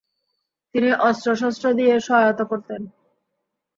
তিনি অস্ত্র-শস্ত্র দিয়ে সহায়তা করতেন।